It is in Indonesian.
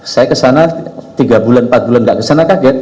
saya kesana tiga bulan empat bulan nggak kesana kaget